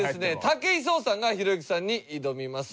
武井壮さんがひろゆきさんに挑みます。